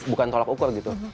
bukan tolak ukur gitu